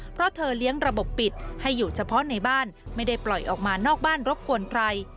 เพราะเธอเลี้ยงระบบปิดให้อยู่เฉพาะในบ้านไม่ได้ปล่อยออกมานอกบ้านรบกวนใคร